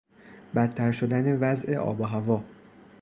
بدتر شدن وضع آب و هوا